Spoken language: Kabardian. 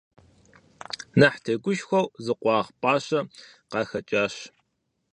Нэхъ тегушхуэу зы къуаргъ пӀащэ къахэкӀащ.